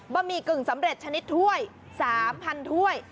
หมี่กึ่งสำเร็จชนิดถ้วย๓๐๐ถ้วย